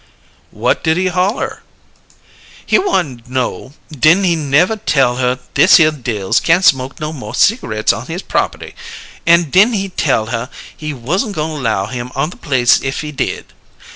"What did he holler?" "He want know di'n' he never tell her thishere Dills can't smoke no mo' cigareets on his property, an' di'n' he tell her he was'n' goin' allow him on the place if he did?